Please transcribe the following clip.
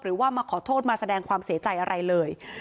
มาขอโทษมาแสดงความเสียใจอะไรเลย